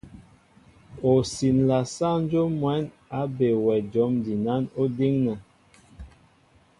Ó siǹla sáŋ dyów mwɛ̌n á be wɛ jǒm jinán ó díŋnɛ.